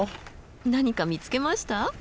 何か見つけました？